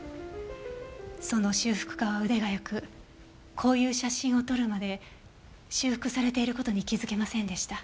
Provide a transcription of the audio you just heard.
その修復家は腕がよくこういう写真を撮るまで修復されている事に気づけませんでした。